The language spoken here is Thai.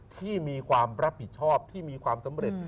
ที่มีความรับผิดชอบที่มีความสำเร็จ